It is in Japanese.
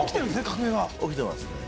革命が起きてますね